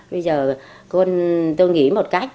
bây giờ con tôi nghĩ một cách